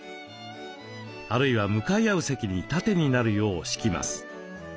あるいは向かい合う席に縦になるよう敷きます。